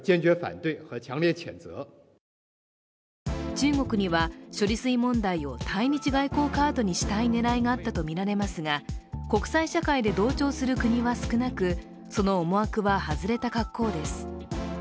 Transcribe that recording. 中国には処理水問題を対日外交カードにしたい狙いがあったとみられますが国際社会で同調する国は少なく、その思惑は外れた格好です。